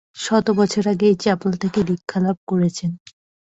শত বছর আগে এই চাপেল থেকে দীক্ষা লাভ করেছেন।